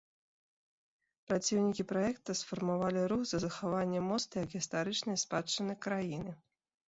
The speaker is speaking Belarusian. Праціўнікі праекта сфармавалі рух за захаванне моста як гістарычнай спадчыны краіны.